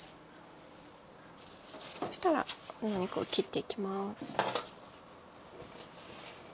そしたらこのお肉を切っていきます。